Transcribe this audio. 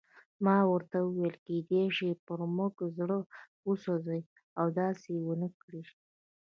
ما ورته وویل: کېدای شي پر موږ یې زړه وسوځي او داسې ونه کړي.